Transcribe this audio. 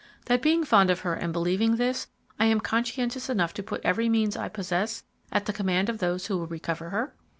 that being fond of her and believing this, I am conscientious enough to put every means I possess at the command of those who will recover her?"